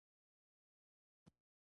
د ټولګي والو پوښتنه مې کوله.